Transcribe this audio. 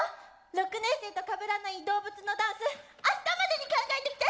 ６年生とかぶらない動物のダンスあしたまでに考えてきて！